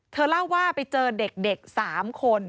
เธอเล่าว่าไปเจอเด็ก๓คน